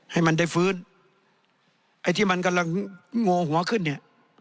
ให้มันได้ฟื้นไอ้ที่มันกำลังโง่หัวขึ้นเนี่ย